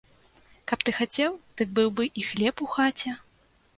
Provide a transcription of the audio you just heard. Каб ты хацеў, дык быў бы і хлеб у хаце.